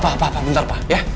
papa papa papa bentar papa ya